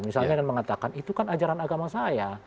misalnya dan mengatakan itu kan ajaran agama saya